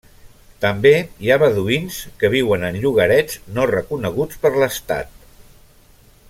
També hi ha beduïns que viuen en llogarets no reconeguts per l'estat.